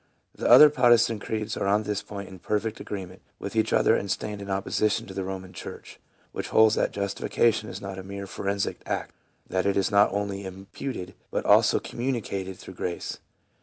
The other Protestant creeds are on this point in perfect agreement with each other and stand in opposition to the Eoman church, which holds that justification is not a mere forensic act, that it is not only imputed, but also communicated through grace.